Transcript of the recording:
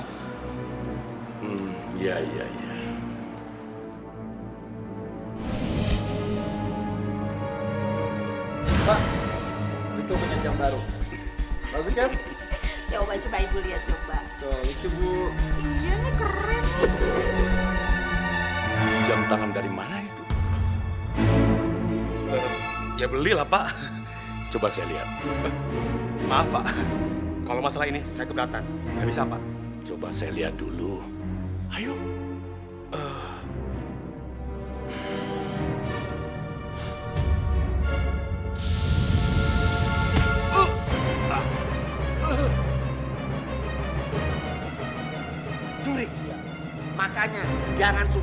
kita harus minta maaf sama keluarga burhan bu